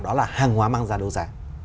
đó là hàng hóa mang ra đấu giá